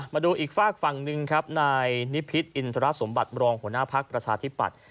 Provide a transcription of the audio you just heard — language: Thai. มาดูอีกฝากฝั่งหนึ่งครับนายนิพิษอินทรสมบัติรองหัวหน้าภักดิ์ประชาธิปัตย